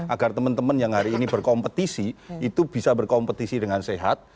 agar teman teman yang hari ini berkompetisi itu bisa berkompetisi dengan sehat